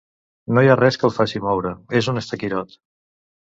No hi ha res que el faci moure: és un estaquirot.